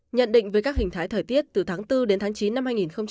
nhận định về các hình thái thời tiết từ tháng bốn đến tháng chín năm hai nghìn hai mươi